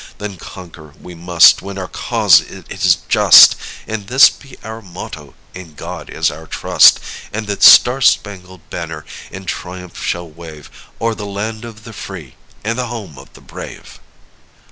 Then conquer we must when our cause it is just, And this be our motto, "In God is our trust." And the Star Spangled Banner in triumph shall wave O'er the land of the free and the home of the brave.